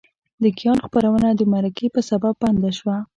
د کیان خپرونه د مرکې په سبب بنده شوه.